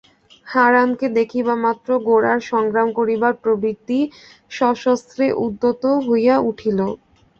হারানকে দেখিবামাত্র গোরার সংগ্রাম করিবার প্রবৃত্তি সশস্ত্রে উদ্যত হইয়া উঠিল।